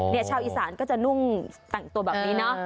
ชาวอีสานก็จะนุ่งแต่งตัวแบบนี้เนอะ